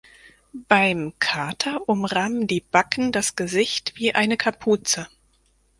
Beim Kater umrahmen die Backen das Gesicht wie eine Kapuze.